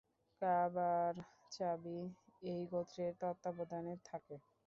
কাবার চাবি এই গোত্রের তত্ত্বাবধানে থাকে।